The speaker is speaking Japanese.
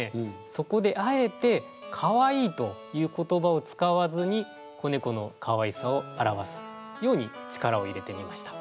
そこであえて「かわいい」という言葉を使わずに子猫のかわいさを表すように力を入れてみました。